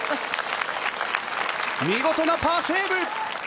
見事なパーセーブ。